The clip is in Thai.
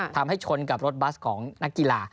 ทำให้ชนกับรถบัสของนักกีฬา